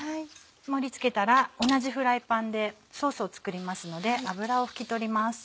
盛り付けたら同じフライパンでソースを作りますので脂を拭き取ります。